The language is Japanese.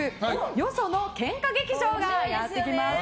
よその喧嘩劇場がやってきます。